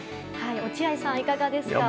落合さん、いかがですか？